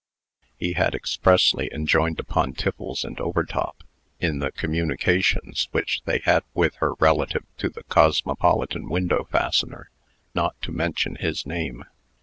He had expressly enjoined upon Tiffles and Overtop, in the communications which they had with her relative to the "Cosmopolitan Window Fastener," not to mention his name.